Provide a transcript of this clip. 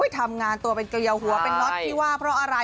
ทำงานตัวเป็นเกลียวหัวเป็นน็อตที่ว่าเพราะอะไร